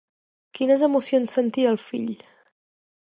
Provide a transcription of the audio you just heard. Quines emocions sentia el fill?